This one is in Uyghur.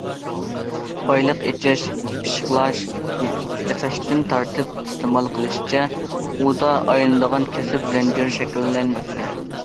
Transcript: بايلىق ئېچىش، پىششىقلاش، ياساشتىن تارتىپ ئىستېمال قىلىشقىچە ئۇدا ئايلىنىدىغان كەسىپ زەنجىرى شەكىللەنمەكتە.